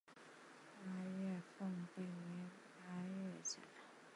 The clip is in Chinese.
八月奉令开赴察哈尔省怀来县。